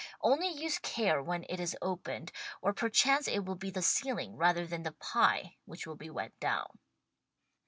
Only use care when it is opened, or perchance it will be the ceiling rather than the pie which will be wet down.